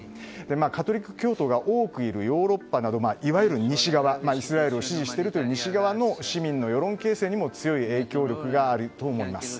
カトリック教徒が多くいるヨーロッパなどいわゆる西側イスラエルを支持している西側の市民の世論形成にも強い影響力があると思います。